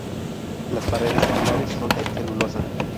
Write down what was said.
Las paredes celulares son de celulosa.